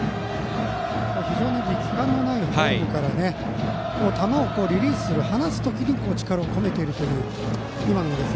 力感のないフォームから球をリリースする時に力を込めているという。